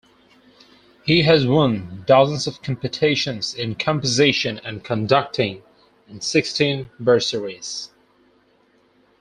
He has won dozens of competitions in composition and conducting, and sixteen bursaries.